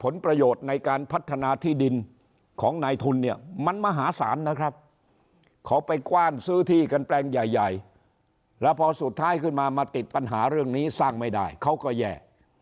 แล้วพอสุดท้ายขึ้นมามาติดปัญหาเรื่องนี้สร้างไม่ได้เขาก็แย่